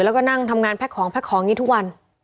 แล้วก็นั่งทำงานแพ็กของนี่ทุกวัน